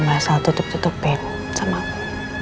mas al tutup tutupin sama aku